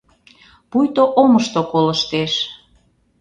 Пуйто омышто колыштеш.